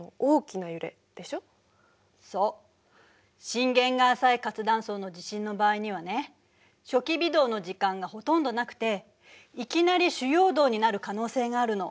震源が浅い活断層の地震の場合にはね初期微動の時間がほとんどなくていきなり主要動になる可能性があるの。